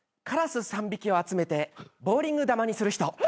カラス３匹を集めてボウリング球にする人。